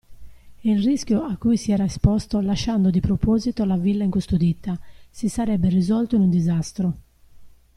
E il rischio a cui si era esposto lasciando di proposito la villa incustodita, si sarebbe risolto in un disastro.